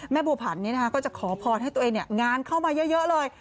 แม่บวพรณก็จะขอพอดให้ตัวเองงานเข้ามาเยอะเลย